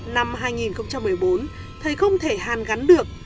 năm hai nghìn một mươi bốn thầy không thể hàn gắn được